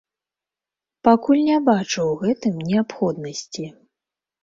Пакуль не бачу ў гэтым неабходнасці.